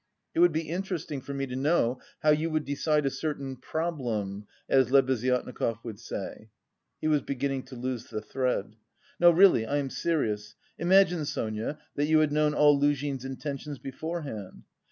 It would be interesting for me to know how you would decide a certain 'problem' as Lebeziatnikov would say." (He was beginning to lose the thread.) "No, really, I am serious. Imagine, Sonia, that you had known all Luzhin's intentions beforehand.